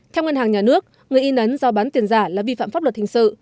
theo ngân hàng nhà nước người y nấn do bán tiền giả là vi phạm pháp luật hình sự